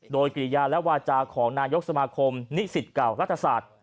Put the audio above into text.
โดยกิริยาและวาจาของนายกสมาคมนิสิตเก่ารัฐศาสตร์